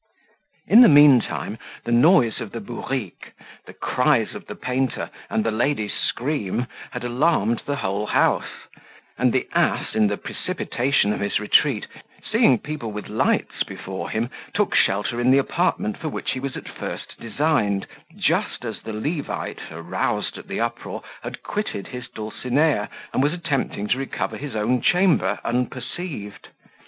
In the mean time, the noise of the bourrique, the cries of the painter, and the lady's scream, had alarmed the whole house; and the ass, in the precipitation of his retreat, seeing people with lights before him, took shelter in the apartment for which he was at first designed, just as the Levite, aroused at the uproar, had quitted his dulcinea, and was attempting to recover his own chamber unperceived.